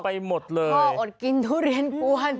พ่ออดกินทุเรียนปวน